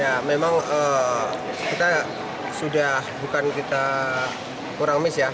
ya memang kita sudah bukan kita kurang miss ya